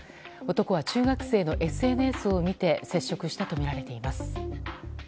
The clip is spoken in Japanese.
男は中学生のＳＮＳを見て接触したとみられています。